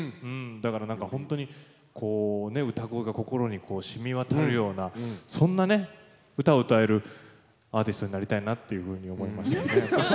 だから何か本当に歌声が心にしみわたるようなそんなね歌を歌えるアーティストになりたいなっていうふうに思いましたね。